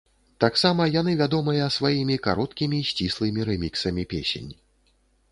Таксама яны вядомыя сваімі кароткімі сціслымі рэміксамі песень.